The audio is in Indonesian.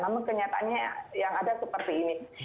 namun kenyataannya yang ada seperti ini